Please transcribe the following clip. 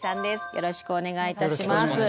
よろしくお願いします。